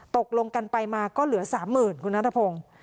ตกลงกันไปมาก็เหลือ๓๐๐๐คุณนัทพงศ์